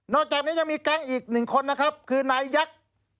นอกจากนี้ยังมีแก๊งอีกหนึ่งคนคือนายฃ